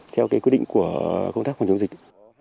theo quy định của công tác phòng chống dịch